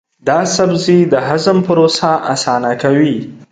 دا سبزی د هضم پروسه اسانه کوي.